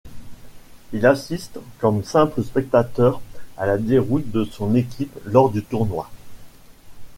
Il assiste comme simple spectateur à la déroute de son équipe lors du tournoi.